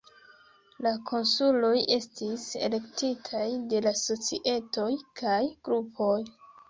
La konsuloj estis elektitaj de la societoj kaj grupoj.